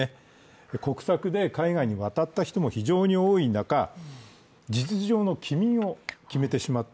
国策で海外に渡った人も非常に多い中、実情の棄民を決めてしまった。